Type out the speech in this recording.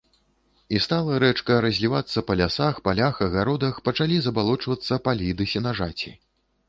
І стала рэчка разлівацца па лясах, палях, агародах, пачалі забалочвацца палі ды сенажаці.